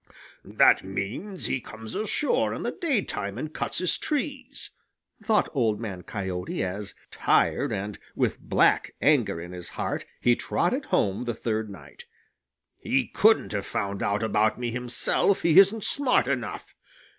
"That means that he comes ashore in the daytime and cuts his trees," thought Old Man Coyote as, tired and with black anger in his heart, he trotted home the third night. "He couldn't have found out about me himself; he isn't smart enough.